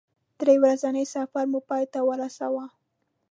درې ورځنی سفر مو پای ته ورساوه.